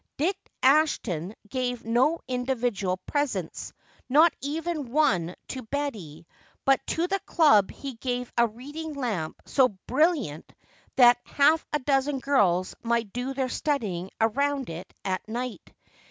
Dick Ashton gave no individual presents, not even one to Betty, but to the club he gave a reading lamp so brilliant that half a dozen girls might do their studying around it at night.